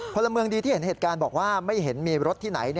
พลเมืองดีที่เห็นเหตุการณ์บอกว่าไม่เห็นมีรถที่ไหน